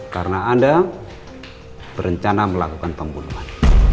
karena anda berencana melakukan pembunuhan